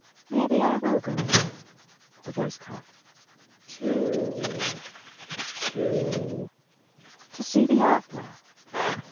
" Maybe I will go down" the voice caught "to to to see the opera."